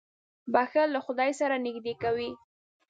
• بښل له خدای سره نېږدې کوي.